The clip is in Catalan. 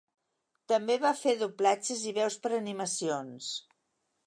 També va fer doblatges i veus per a animacions.